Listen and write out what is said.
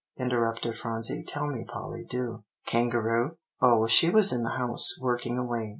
interrupted Phronsie. "Tell me, Polly, do." "Kangaroo? Oh, she was in the house, working away.